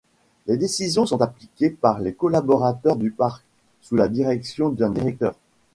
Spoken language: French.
Les décisions sont appliqués par les collaborateurs du parc, sous la direction d'un directeur.